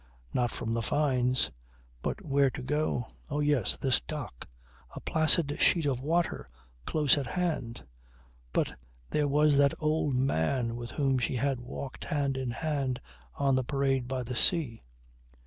Not from the Fynes. But where to go? Oh yes, this dock a placid sheet of water close at hand. But there was that old man with whom she had walked hand in hand on the parade by the sea.